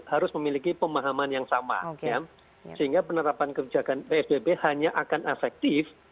harus memiliki pemahaman yang sama sehingga penerapan kebijakan psbb hanya akan efektif